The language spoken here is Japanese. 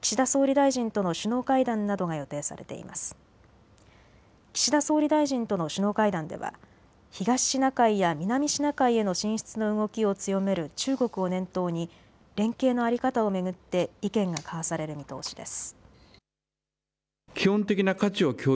岸田総理大臣との首脳会談では東シナ海や南シナ海への進出の動きを強める中国を念頭に連携の在り方を巡って意見が交わされる見通しです。